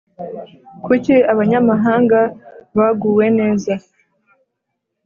Kuki abanyamahanga baguwe neza